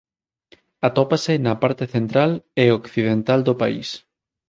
Atópase na parte central e occidental do país.